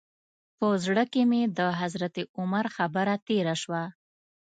په زړه کې مې د حضرت عمر خبره تېره شوه.